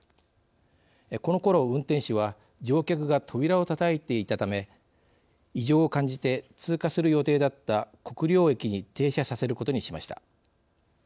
このころ運転士は乗客が扉をたたいていたため異常を感じて通過する予定だった国領駅に停車させることにしました。